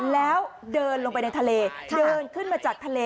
แล้วเดินลงไปในทะเลเดินขึ้นมาจากทะเล